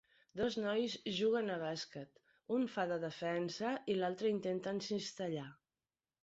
Dos nois juguen a bàsquet, un fa de defensa i l'altre intenta encistellar.